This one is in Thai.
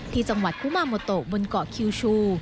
ที่จังหวัดคุมาโมโตบนเกาะคิวชู